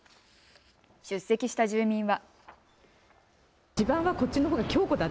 出席した住民は。